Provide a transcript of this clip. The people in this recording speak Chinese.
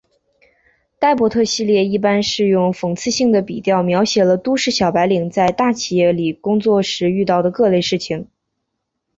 呆伯特系列一般是用讽刺性的笔调描写了都市小白领在大企业里工作时遇到的各类事情。